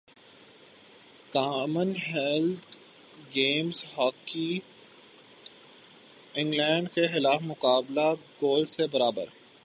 common wealth Games hockey England کیخلاف مقابلہ goals سے برابر